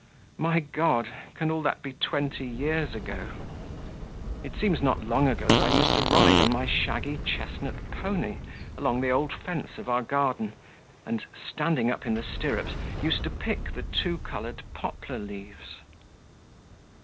My God! Can all that be twenty years ago? It seems not long ago that I used to ride on my shaggy chestnut pony along the old fence of our garden, and, standing up in the stirrups, used to pick the two coloured poplar leaves.